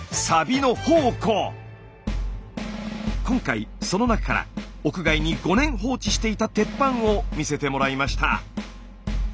今回その中から屋外に５年放置していた鉄板を見せてもらいました。